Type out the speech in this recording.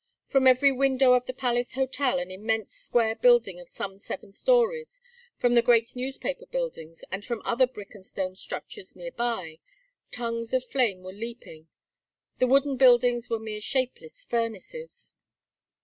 From every window of the Palace Hotel, an immense square building of some seven stories, from the great newspaper buildings, and from other brick and stone structures near by, tongues of flame were leaping; the wooden buildings were mere shapeless furnaces.